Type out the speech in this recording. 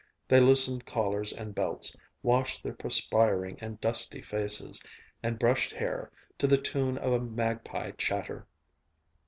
They loosened collars and belts, washed their perspiring and dusty faces, and brushed hair, to the tune of a magpie chatter.